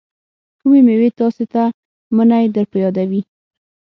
کومې میوې تاسې ته منی در په یادوي؟